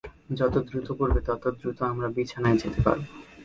যত দ্রুত করবে, তত দ্রুত আমরা বিছানায় যেতে পারব।